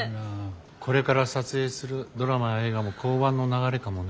これから撮影するドラマや映画も降板の流れかもね。